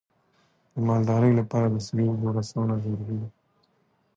د مالدارۍ لپاره د صحي اوبو رسونه ضروري ده.